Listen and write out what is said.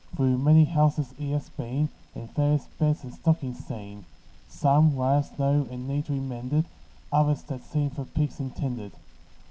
Through many houses he has been, And various beds and stockings seen; Some, white as snow, and neatly mended, Others, that seemed for pigs intended.